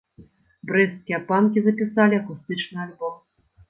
Брэсцкія панкі запісалі акустычны альбом.